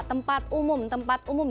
tempat umum tempat umum